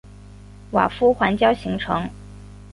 瓦夫环礁形成。